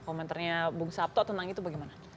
komenternya bung sabtoh tentang itu bagaimana